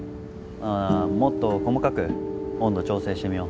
もっと細かく温度調整してみよう。